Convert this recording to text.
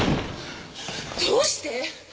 どうして！？